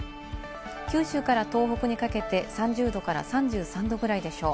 九州から東北にかけて３０度から３３度ぐらいでしょう。